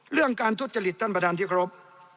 เรื่องการทุจริตท่านประธานที่ครบ